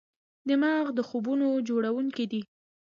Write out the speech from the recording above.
دماغ د خوبونو جوړونکی دی.